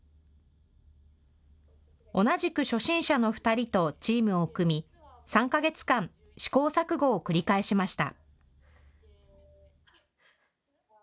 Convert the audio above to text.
同じく初心者の２人とチームを組み３か月間、試行錯誤を繰り返しました。